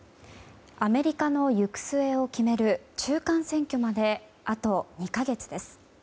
アメリカの行く末を決める中間選挙まで、あと２か月です。